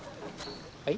はい？